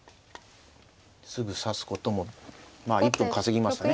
すぐ指すこともまあ１分稼ぎましたね